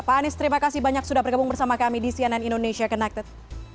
pak anies terima kasih banyak sudah bergabung bersama kami di cnn indonesia connected